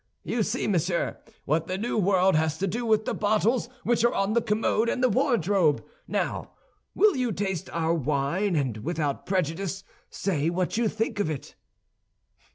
You see, monsieur, what the New World has to do with the bottles which are on the commode and the wardrobe. Now, will you taste our wine, and without prejudice say what you think of it?"